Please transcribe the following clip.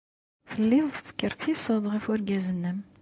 Telliḍ teskerkiseḍ ɣef wergaz-nnem.